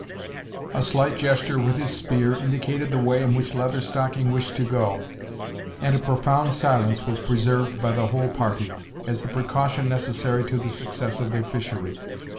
A slight gesture with his spear indicated the way in which Leather Stocking wished to go, and a profound silence was preserved by the whole party, as the precaution necessary to the success of their fishery.